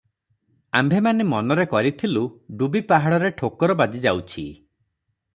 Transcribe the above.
ଆମ୍ଭେମାନେ ମନରେ କରିଥିଲୁ, ଡୁବି ପାହାଡରେ ଠୋକର ବାଜି ଯାଉଛି ।